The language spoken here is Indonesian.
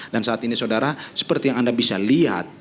dan saat ini saudara seperti yang anda bisa lihat